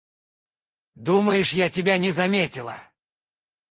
Думаешь я тебя не заметила?